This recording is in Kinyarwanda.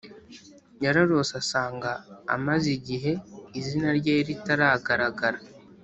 yararose asanga amaze igihe izina rye ritagaragara